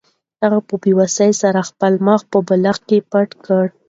هغې په بې وسۍ سره خپل مخ په بالښت کې پټ کړ.